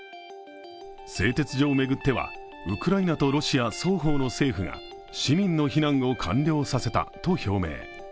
製鉄所を巡っては、ウクライナとロシア双方の政府が市民の避難を完了させたと表明。